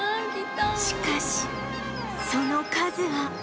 しかしその数は